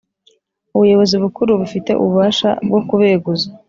Ubuyobozi Bukuru bufite ububasha bwokubeguza.